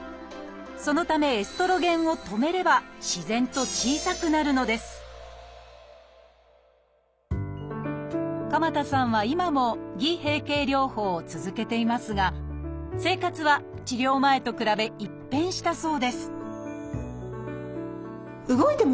そのためエストロゲンを止めれば自然と小さくなるのです鎌田さんは今も偽閉経療法を続けていますが生活は治療前と比べ一変したそうです